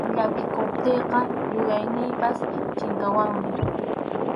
Llakikuptiyqa yuyayniypas chinkawanmi.